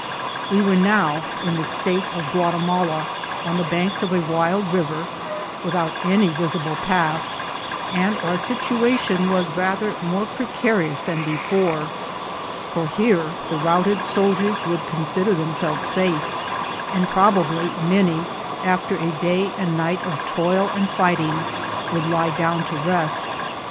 We were now in the State of Guatimala, on the banks of a wild river, without any visible path, and our situation was rather more precarious than before, for here the routed soldiers would consider themselves safe, and probably many, after a day and night of toil and fighting, would lie down to rest.